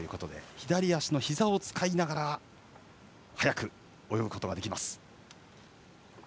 左足のひざを使いながら速く泳ぐことができます。